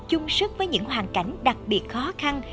chung sức với những hoàn cảnh đặc biệt khó khăn